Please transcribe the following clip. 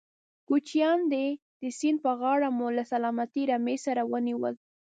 کوچيان دي، د سيند پر غاړه مو له سلامتې رمې سره ونيول.